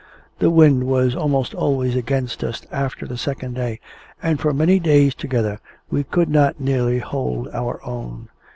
The wind was almost always against us after the second day; and for many days together we could not nearly hold our own.